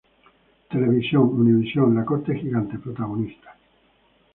Televisión: Univisión, "La Corte Gigante", Protagonista.